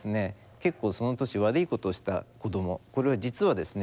結構その年悪いことした子ども実はですね